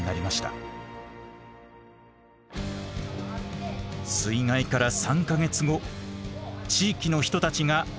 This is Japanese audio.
水害から３か月後地域の人たちが立ち上がりました。